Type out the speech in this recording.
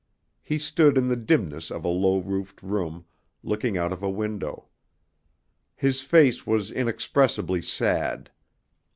He stood in the dimness of a low roofed room, looking out of a window. His face was inexpressibly sad.